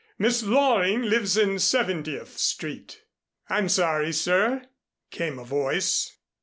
"Miss Loring lives in Seventieth Street." "I'm sorry, sir," came a voice.